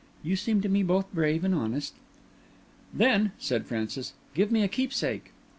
You seem to me both brave and honest." "Then," said Francis, "give me a keepsake."